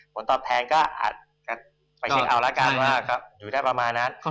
ผลตราแทนก็ไปเช็คเอาละกันครับอยู่ได้ประมาณนั้น